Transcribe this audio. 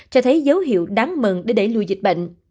cho thấy dấu hiệu đáng mừng để đẩy lùi dịch bệnh